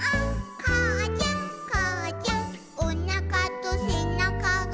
「かあちゃんかあちゃん」「おなかとせなかが」